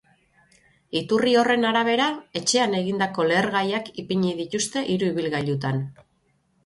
Iturri horren arabera, etxean egindako lehergaiak ipini dituzte hiru ibilgailutan.